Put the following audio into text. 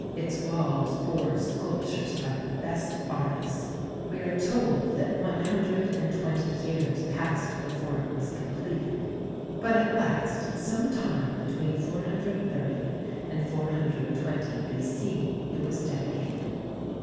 Its walls bore sculptures by the best artists. We are told that one hundred and twenty years passed before it was completed, but at last, sometime between 430 and 420 B.C., it was dedicated.